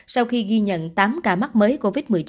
sau khi ghi nhận tám ca mắc mới covid một mươi chín